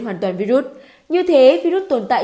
hoàn toàn virus như thế virus tồn tại